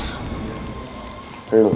kita lihat di luar